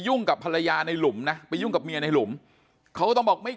กับภรรยาในหลุมนะไปยุ่งกับเมียในหลุมเขาก็ต้องบอกไม่